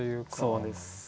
そうです。